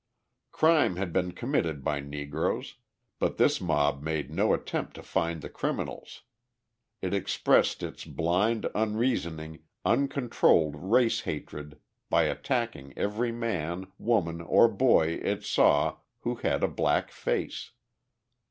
Crime had been committed by Negroes, but this mob made no attempt to find the criminals: it expressed its blind, unreasoning, uncontrolled race hatred by attacking every man, woman, or boy it saw who had a black face.